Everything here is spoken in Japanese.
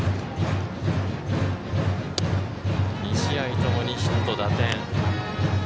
２試合ともにヒット、打点。